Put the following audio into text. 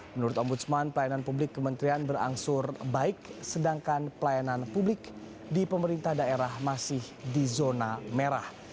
menurut ombudsman pelayanan publik kementerian berangsur baik sedangkan pelayanan publik di pemerintah daerah masih di zona merah